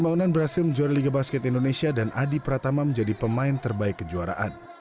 tahunan berhasil menjuara liga basket indonesia dan adi pratama menjadi pemain terbaik kejuaraan